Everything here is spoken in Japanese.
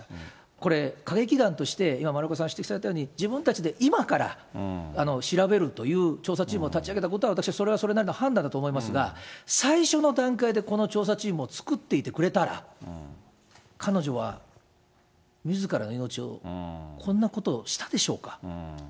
これ、歌劇団として、今、丸岡さん指摘されたように、自分たちで今から調べるという、調査チームを立ち上げたことは、私はそれはそれなりの判断だと思いますが、最初の段階でこの調査チームを作っていてくれたら、彼女はみずから命を、こんなことをしたでしょうか。